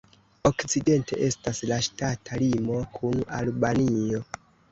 Okcidente estas la ŝtata limo kun Albanio.